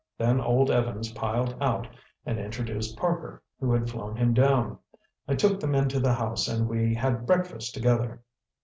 Then old Evans piled out and introduced Parker, who had flown him down. I took them into the house and we had breakfast together."